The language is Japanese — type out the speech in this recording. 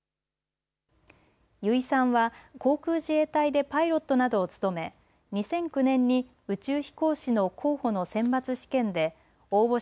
油井さんは航空自衛隊でパイロットなどを務め２００９年に宇宙飛行士の候補の選抜試験で応募者